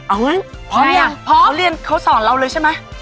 อ้าวเนี่ยข้อเรียนเค้าสอนเราเลยใช่มั้ย